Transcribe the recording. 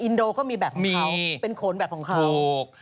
อินโดเขามีแบบของเขาเป็นโขนแบบของเขาถูก